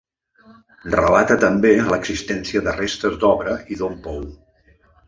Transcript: Relata també l'existència de restes d'obra i d'un pou.